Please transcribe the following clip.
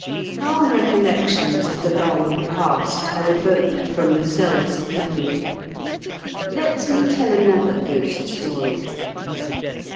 How recollections of the long past are evoked from the cells of memory ! Let me tell another ghost story.